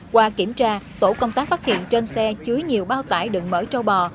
qua kiểm tra tổ công tác phát hiện trên xe chứa nhiều bao tải đựng mở trâu bò